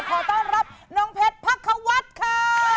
ขอต้อนรับน้องเพชรพักควัฒน์ค่ะ